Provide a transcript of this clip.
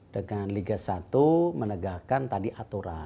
dengan liga satu menegakkan tadi aturan